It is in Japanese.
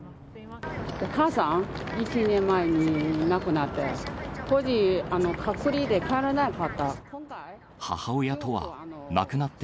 お母さん、１年前に亡くなって、当時、隔離で帰れなかった。